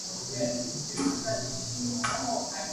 The score was composed by Bernard Herrmann.